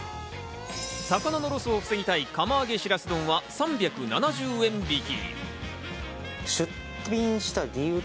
魚のロスを防ぎたい、釜揚げしらす丼は３７０円引き。